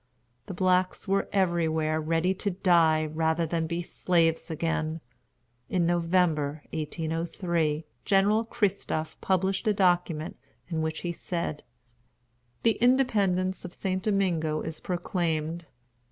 The blacks were everywhere ready to die rather than be slaves again. In November, 1803, General Christophe published a document in which he said: "The independence of St. Domingo is proclaimed.